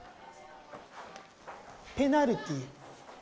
ペナルティー。